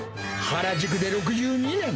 原宿で６２年。